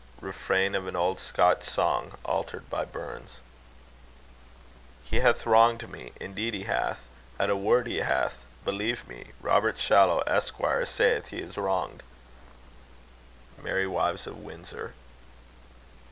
Refrain of an old Scotch song, altered by BURNS. He hath wronged me; indeed he hath; at a word, he hath; believe me; Robert Shallow, Esquire, saith he is wronged. Merry Wives of Windsor.